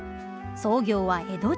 創業は江戸時代。